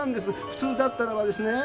「普通だったらば」ですね。